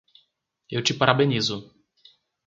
Eu te parabenizo